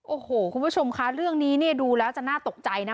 โอ้โหคุณผู้ชมคะเรื่องนี้เนี่ยดูแล้วจะน่าตกใจนะ